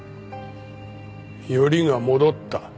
よりが戻った？